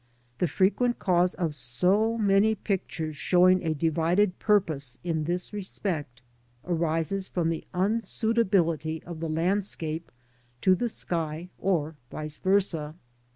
The frequent cause of so many pictures showing a divided purpose in this SKETCHING FROM NATURE. 17 respect arises from the unsuitability of the landscape to the sky or vice versd.